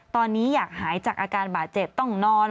ตอนนี้อยากหายจากอาการบาดเจ็บต้องนอน